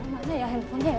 mana yang handphonenya